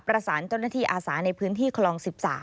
ประสานเจ้าหน้าที่อาสาในพื้นที่คลอง๑๓